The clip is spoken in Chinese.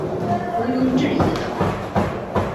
无庸置疑的